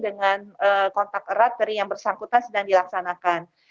dengan kontak erat dari yang bersangkutan sedang dilaksanakan